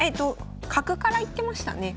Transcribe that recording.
角から行ってましたね